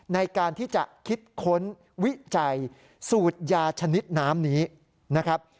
ในการที่จะคิดค้นวิจัยสูตรยาชนิดน้ำนี้นะครับ